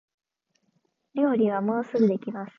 料理はもうすぐできます